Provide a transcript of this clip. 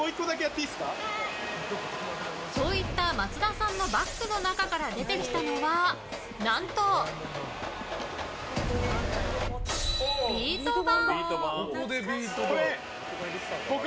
そう言った松田さんのバッグの中から出てきたのは何と、ビート板！